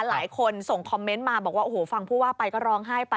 หลายคนส่งคอมเมนต์มาบอกว่าโอ้โหฟังผู้ว่าไปก็ร้องไห้ไป